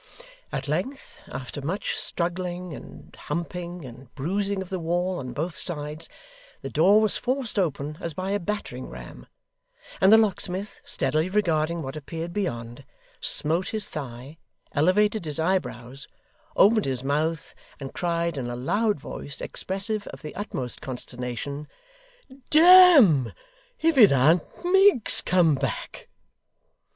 At length after much struggling and humping, and bruising of the wall on both sides, the door was forced open as by a battering ram; and the locksmith, steadily regarding what appeared beyond, smote his thigh, elevated his eyebrows, opened his mouth, and cried in a loud voice expressive of the utmost consternation: 'Damme, if it an't Miggs come back!